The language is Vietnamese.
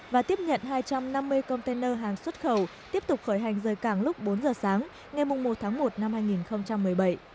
và tiếp nhận hai trăm năm mươi container hàng xuất khẩu tiếp tục khởi hành rời cảng lúc bốn giờ sáng ngày một tháng một năm hai nghìn một mươi bảy